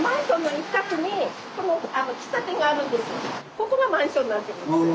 ここがマンションになってます。